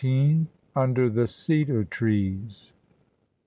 UNDER TEIE CEDAR TREES.